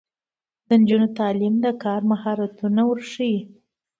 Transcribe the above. د نجونو تعلیم د کار مهارتونه ورښيي.